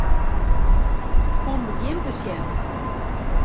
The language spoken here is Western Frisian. Fan begjin besjen.